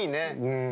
うん。